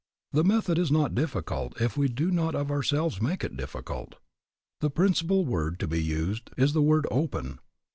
The method is not difficult if we do not of ourselves make it difficult. The principal word to be used is the word, Open.